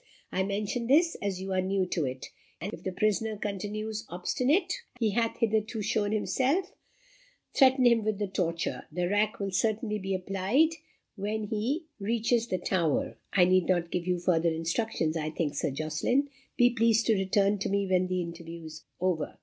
I mention this as you are new to it. If the prisoner continues obstinate, as he hath hitherto shown himself, threaten him with the torture. The rack will certainly be applied when he reaches the Tower. I need not give you further instructions I think, Sir Jocelyn. Be pleased to return to me when the interview is over."